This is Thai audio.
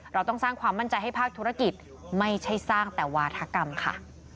เราต้องสร้างความมั่นใจให้ภาคธุรกิจไม่ใช่สร้างแต่วาธกรรมค่ะ